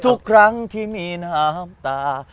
ทุกครั้งที่มีน้ำตา